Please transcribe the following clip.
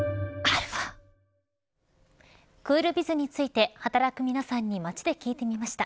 クールビズについて働く皆さんに街で聞いてみました。